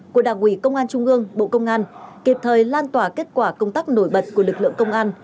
của đảng ủy công an trung ương bộ công an kịp thời lan tỏa kết quả công tác nổi bật của lực lượng công an